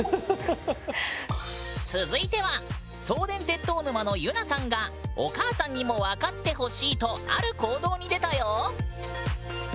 続いては送電鉄塔沼のゆなさんが「お母さんにも分かってほしい」とある行動に出たよ！